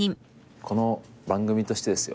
この番組としてですよ